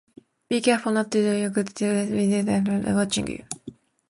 Be careful not to do your good deeds when there's no one watching you.